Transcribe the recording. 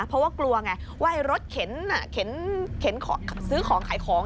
เพราะกลัวอะไร